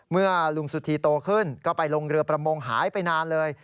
เมื่อลุงสุธีโตขึ้นก็ไปลงเรือประมงหายไปนานเลย